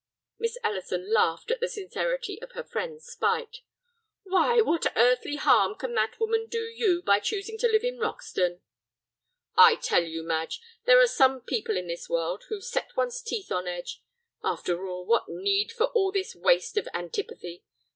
Miss Ellison laughed at the sincerity of her friend's spite. "Why, what earthly harm can that woman do you by choosing to live in Roxton?" "I tell you, Madge, there are some people in this world who set one's teeth on edge. After all, what need for all this waste of antipathy.